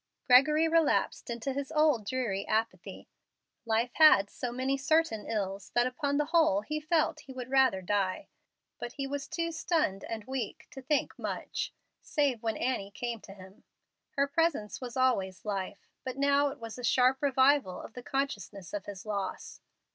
Gregory relapsed into his old dreary apathy. Life had so many certain ills that upon the whole he felt he would rather die. But he was too stunned and weak to think much, save when Annie came to him. Her presence was always life, but now it was a sharp revival of the consciousness of his loss.